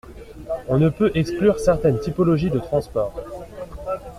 On ne peut exclure certaines typologies de transport.